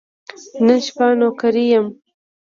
نن شپه نوکري یم .